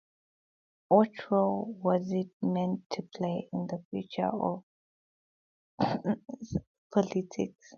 What role was it meant to play in the future of Czechoslovak politics?